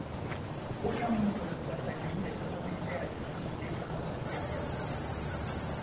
Aucun membre de sa famille n’est autorisé à le visiter pendant cette période.